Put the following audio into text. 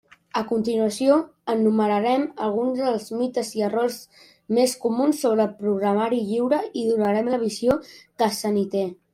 A continuació enumerarem alguns dels mites i errors més comuns sobre el programari lliure i donarem la visió que se n'hi té.